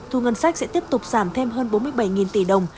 thu ngân sách sẽ tiếp tục giảm thêm hơn bốn mươi bảy tỷ đồng